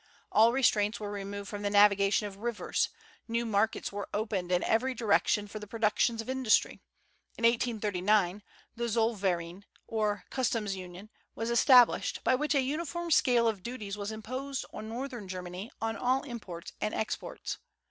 All restraints were removed from the navigation of rivers; new markets were opened in every direction for the productions of industry. In 1839 the Zollverein, or Customs Union, was established, by which a uniform scale of duties was imposed in Northern Germany on all imports and exports.